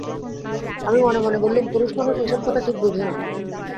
আমি মনে মনে বললুম, পুরষমানুস এ-সব কথা ঠিক বোঝে না।